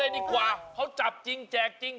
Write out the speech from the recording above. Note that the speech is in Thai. อะไรนะนายยินแต่เสียง